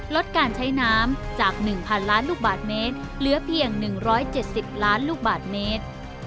ลดการใช้น้ำจาก๑๐๐ล้านลูกบาทเมตรเหลือเพียง๑๗๐ล้านลูกบาทเมตร